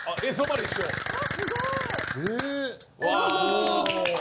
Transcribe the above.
すごーい！